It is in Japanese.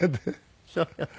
そうよね。